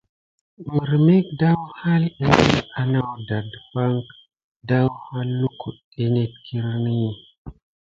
Mirmek daouhalà ékile à nakuda depak daouha lukude net kirini va neɗe.